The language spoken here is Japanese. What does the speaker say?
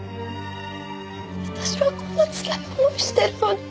私がこんなつらい思いしてるのに。